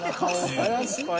怪しい。